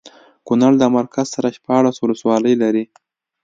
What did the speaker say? کونړ د مرکز سره شپاړس ولسوالۍ لري